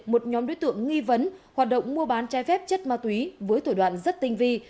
một nhóm đối tượng nghi vấn hoạt động mua bán trái phép chất ma túy với thủ đoạn rất tinh vi